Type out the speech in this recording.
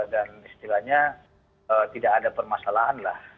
istilahnya tidak ada permasalahan lah